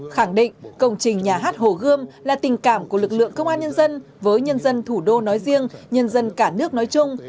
khẳng định công trình nhà hát hồ gươm là tình cảm của lực lượng công an nhân dân với nhân dân thủ đô nói riêng nhân dân cả nước nói chung